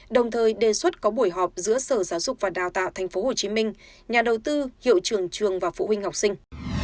đồng thời đề xuất có buổi họp giữa sở giáo dục và đào tạo tp hcm nhà đầu tư hiệu trường trường và phụ huynh học sinh